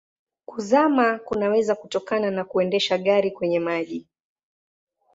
Kuzama kunaweza kutokana na kuendesha gari kwenye maji.